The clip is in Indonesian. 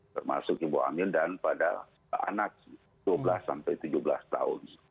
termasuk ibu hamil dan pada anak dua belas sampai tujuh belas tahun